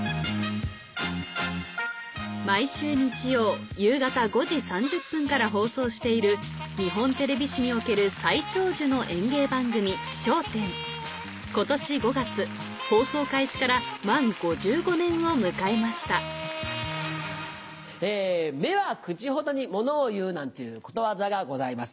毎週日曜夕方５時３０分から放送している日本テレビ史における最長寿の演芸番組『笑点』今年５月放送開始から満５５年を迎えました「目は口ほどに物を言う」なんていうことわざがございます